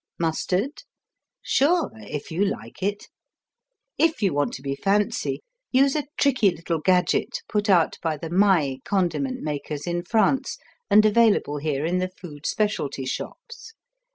Mustard? Sure, if .you like it. If you want to be fancy, use a tricky little gadget put out by the Maille condiment makers in France and available here in the food specialty shops.